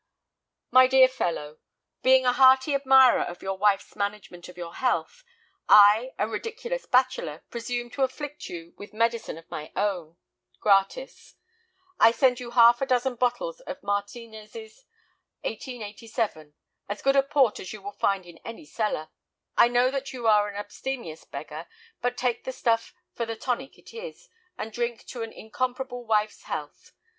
"My dear Fellow,—Being a hearty admirer of your wife's management of your health, I, a ridiculous bachelor, presume to afflict you with medicine of my own, gratis. I send you half a dozen bottles of Martinez's 1887, as good a port as you will find in any cellar. I know that you are an abstemious beggar, but take the stuff for the tonic it is, and drink to an 'incomparable' wife's health.